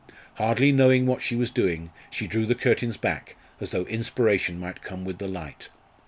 Hardly knowing what she was doing, she drew the curtains back, as though inspiration might come with the light.